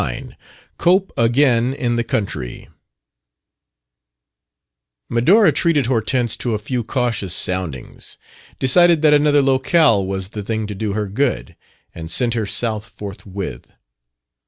29 COPE AGAIN IN THE COUNTRY Medora treated Hortense to a few cautious soundings, decided that another locale was the thing to do her good, and sent her South forthwith.